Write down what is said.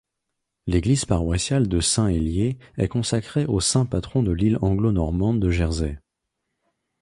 L'église paroissiale de Saint-Hélier est consacré au Saint Patron de l'île Anglo-Normande de Jersey.